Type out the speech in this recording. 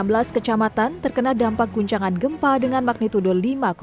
satu ratus empat puluh enam desa di enam belas kecamatan terkena dampak guncangan gempa dengan magnitudol lima enam